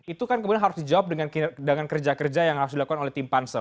itu kan kemudian harus dijawab dengan kerja kerja yang harus dilakukan oleh tim pansel